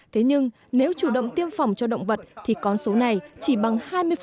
thế nhưng nếu chủ động tiêm phòng cho động vật thì con số này chỉ bằng hai mươi